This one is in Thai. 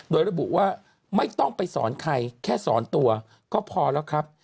โดยระบุว่าไม่ต้องไปสอนใครแค่สอนตัวก็พอแล้วครับ